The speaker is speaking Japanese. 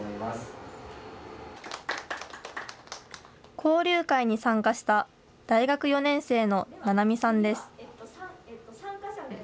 交流会に参加した大学４年生のななみさんです。